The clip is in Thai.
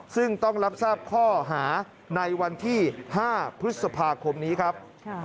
ซึ่งต้องรับทราบข้อหาในวันที่๕พฤษภาคมนี้ครับ